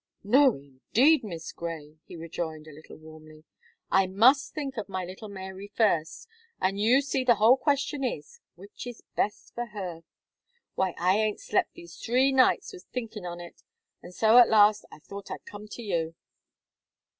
"No, indeed, Miss Gray," he rejoined, a little warmly, "I must think of my little Mary first; and you see the whole question is, which is best for her. Why, I aint slep these three nights with thinking on it, and so, at last, I thought I'd come to you."